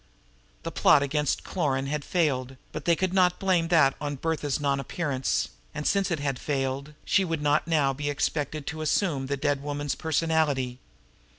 The plot against Cloran had failed, but they could not blame that on "Bertha's" non appearance; and since it had failed she would not now be expected to assume the dead woman's personality.